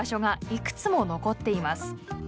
いくつも残っています。